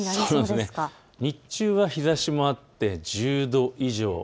そうですね、日中は日ざしもあって１０度以上。